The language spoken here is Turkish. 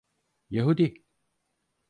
Yahudi…